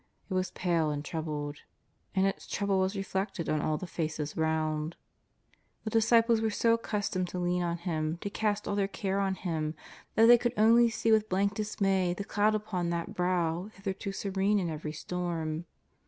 It was pale and troubled. And its trouble was reflected on all the faces round. The disciples were so accustomed to lean on Him, to cast all their care on Him, that they could only see with blank dismay the cloud upon that brow hitherto serene in every storm.